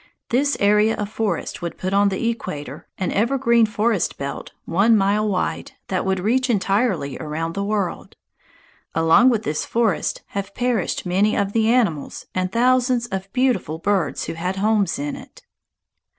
This area of forest would put on the equator an evergreen forest belt one mile wide that would reach entirely around the world. Along with this forest have perished many of the animals and thousands of beautiful birds who had homes in it."